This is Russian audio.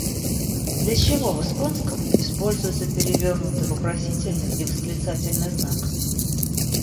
Для чего в испанском используется перевёрнутый вопросительный и восклицательный знак?